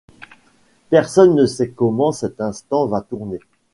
Personne ne sait comment cet instant va tourner.